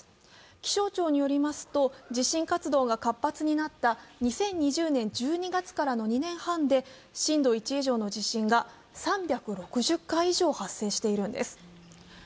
気象庁によりますと地震活動が活発になった２０２０年１２月からの２年半で震度１以上の地震が３６０回以上発生しているんです。